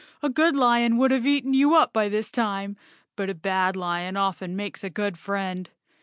A good lion would have eaten you up by this time, but a bad lion often makes a good friend.